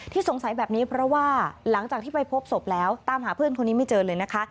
สงสัยแบบนี้เพราะว่าหลังจากที่ไปพบศพแล้วตามหาเพื่อนคนนี้ไม่เจอเลยนะคะ